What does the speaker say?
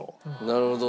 なるほど。